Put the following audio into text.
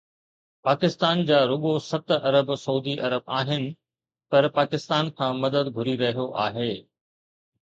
پاڪستان جا رڳو ست ارب سعودي عرب آهن پر پاڪستان کان مدد گهري رهيو آهي.